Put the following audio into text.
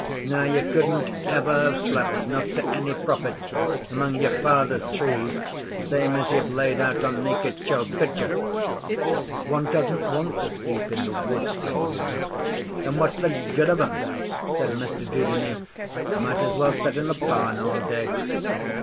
Now, you couldn't ever have slept not to any profit among your father's trees same as you've laid out on Naked Chalk could you?' 'One doesn't want to sleep in the woods,' said Una. 'Then what's the good of 'em?' said Mr Dudeney. 'Might as well set in the barn all day.